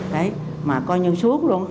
đấy mà coi như suốt luôn